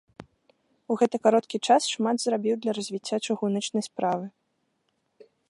У гэты кароткі час шмат зрабіў для развіцця чыгуначнай справы.